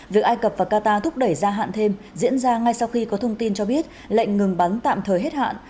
việc ai cập và qatar thúc đẩy gia hạn thêm diễn ra ngay sau khi có thông tin cho biết lệnh ngừng bắn tạm thời hết hạn